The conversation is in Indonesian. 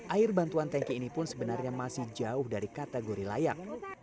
air bantuan tanki ini pun sebenarnya masih jauh dari kategori layak